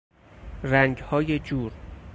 رنگهای جور